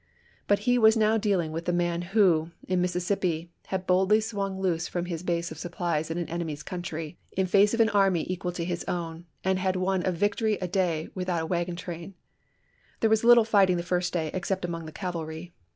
But he was now dealing with the man who, in Mississippi, had boldly swung loose from his base of supplies in an enemy's country, in UJSWEKAL A. V. HILL. 'osite page 184. APPOMATTOX 185 face of an army equal to his own, and had won a chap. ix. victory a day without a wagon train. There was little fighting the first day except among the cavalry.